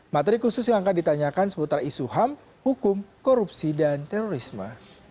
materi khusus yang akan ditanyakan seputar isu ham hukum korupsi dan terorisme